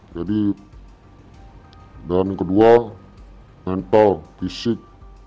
jadi dan kedua mental fisik